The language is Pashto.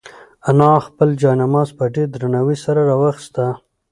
انا خپل جاینماز په ډېر درناوي سره راواخیست.